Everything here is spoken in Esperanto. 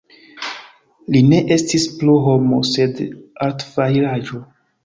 Li ne estis plu homo, sed artfajraĵo.